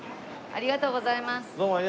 ありがとうございます。